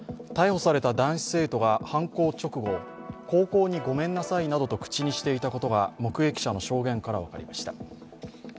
逮捕された男子生徒が犯行直後高校にごめんなさいなどと口にしていたことが目撃者の証言などから分かりました。